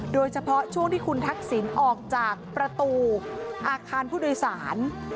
โดยเฉพาะช่วงที่คุณทักษิณออกจากประตูอาคารผู้โดยสาร